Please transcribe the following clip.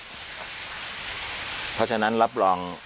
เพราะฉะนั้นรับรอง